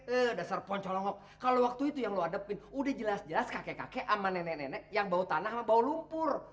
eh dasar poncolongok kalau waktu itu yang luhadepin udah jelas jelas kakek kakek sama nenek nenek yang bau tanah sama bau lumpur